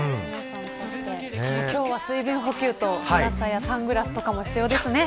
今日は水分補給と日傘やサングラスが必須ですね。